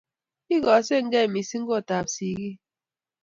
ikosengei mising kotab siki